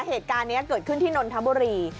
เหตุการณ์นี้เกิดขึ้นที่นนทบุรี